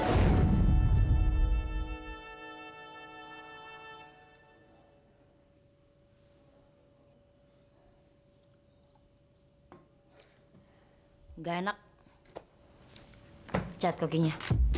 enggak enak cat kakinya